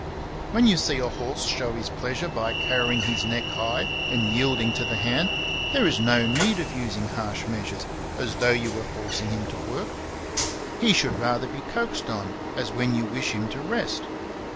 When you see a horse show his pleasure by carrying his neck high and yielding to the hand, there is no CHAPTER X. 59 need of using harsh measures, as though you were forcing him to work; he should rather be coaxed on, as when you wish him to rest.